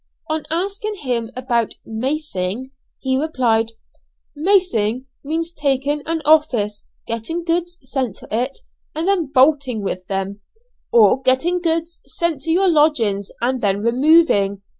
On asking him about 'macing' he replied "Macing means taking an office, getting goods sent to it, and then 'bolting' with them; or getting goods sent to your lodgings and then removing.